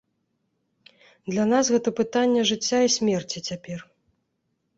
Для нас гэта пытанне жыцця і смерці цяпер.